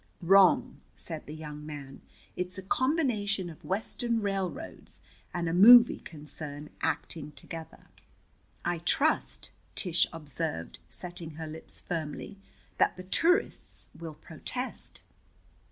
"Wrong," said the young man. "It's a combination of Western railroads and a movie concern acting together." "I trust," Tish observed, setting her lips firmly, "that the tourists will protest."